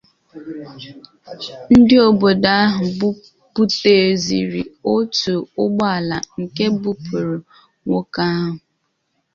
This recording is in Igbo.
Ndị obodo ahụ buteziri otu ụgbọala nke bupụrụ nwoke ahụ